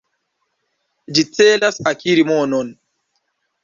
Ĝi celas akiri monon.